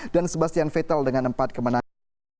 dan sebastian vettel dengan empat kemenangan